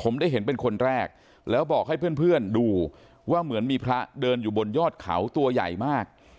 ผมได้เห็นเป็นคนแรกแล้วบอกให้เพื่อนดูว่าเหมือนมีพระเดินอยู่บนยอดเขาตัวใหญ่มาก